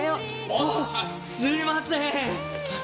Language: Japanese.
あっすいません。